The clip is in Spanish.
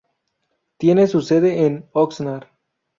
Tiene su sede en Oxnard.